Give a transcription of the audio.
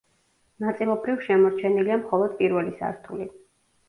ნაწილობრივ შემორჩენილია მხოლოდ პირველი სართული.